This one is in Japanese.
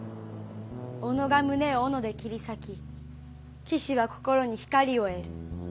「己が胸を斧で切り裂き騎士は心に光を得る。